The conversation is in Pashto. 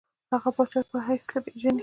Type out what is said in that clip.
هغه پاچا په حیث پېژني.